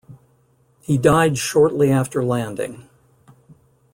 He died shortly after landing.